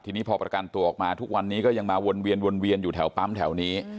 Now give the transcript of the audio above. ทีนี้พอประกันตัวออกมาทุกวันนี้ก็ยังมาวนเวียนวนเวียนอยู่แถวปั๊มแถวนี้